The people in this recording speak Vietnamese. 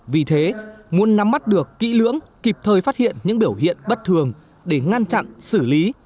vì thế muốn nắm mắt được kỹ lưỡng kịp thời phát hiện những biểu hiện bất thường để ngăn chặn xử lý